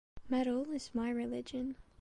Metal is my religion.